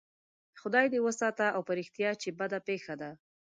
خدای دې وساته او په رښتیا چې بده پېښه ده.